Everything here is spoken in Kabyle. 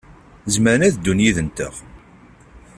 Zemren ad ddun yid-nteɣ.